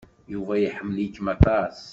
Yuba iḥemmel-ikem aṭas.